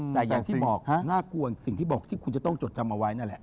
แต่อย่างที่บอกน่ากลัวสิ่งที่บอกที่คุณจะต้องจดจำเอาไว้นั่นแหละ